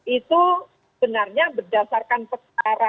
itu benarnya berdasarkan pesara